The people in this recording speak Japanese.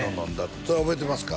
それは覚えてますか？